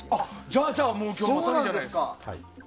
じゃあ、もう今日いいじゃないですか。